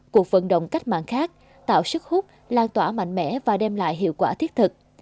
cuộc vận động cách mạng khác tạo sức hút lan tỏa mạnh mẽ và đem lại hiệu quả thiết thực